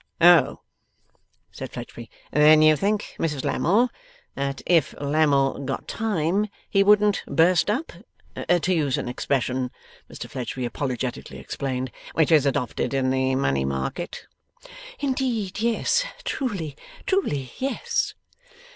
'Oh!' said Fledgeby. 'Then you think, Mrs Lammle, that if Lammle got time, he wouldn't burst up? To use an expression,' Mr Fledgeby apologetically explained, 'which is adopted in the Money Market.' 'Indeed yes. Truly, truly, yes!